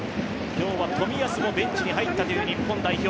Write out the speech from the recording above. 今日は冨安もベンチに入ったという日本代表。